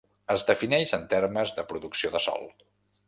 Es defineix en termes de producció del Sol.